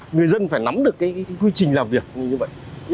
người dân phải nắm được cái quy trình làm việc như vậy